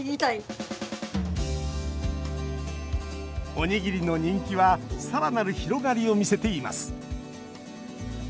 おにぎりの人気はさらなる広がりを見せています。